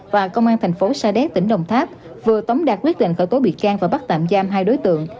và công an thành phố sa đéc tỉnh đồng tháp vừa tống đạt quyết định khởi tố bị can và bắt tạm giam hai đối tượng